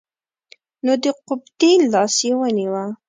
نو د قبطي لاس یې ونیوه.